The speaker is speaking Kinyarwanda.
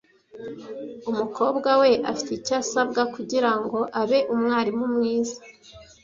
Umukobwa we afite icyo asabwa kugirango abe umwarimu mwiza.